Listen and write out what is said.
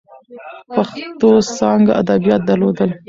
پښتو څانګه ادبیات درلودل.